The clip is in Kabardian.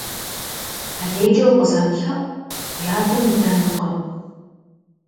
Алейкӏэ укъызэмылъэӏу, уи адэм идэнукъым.